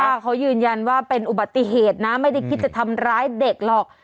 ว่าเขายืนยันว่าเป็นอุบัติเหตุนะไม่ได้คิดจะทำร้ายเด็กหรอก